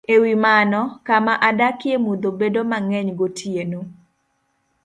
E wi mano, kama adakie mudho bedo mang'eny gotieno,